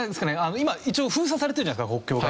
今一応封鎖されているじゃないですか国境が。